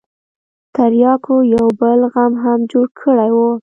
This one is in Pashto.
ترياکو يو بل غم هم جوړ کړى و.